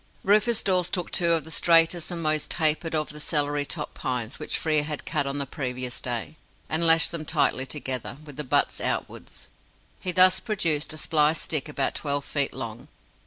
Rufus Dawes took two of the straightest and most tapered of the celery top pines which Frere had cut on the previous day, and lashed them tightly together, with the butts outwards. He thus produced a spliced stick about twelve feet long.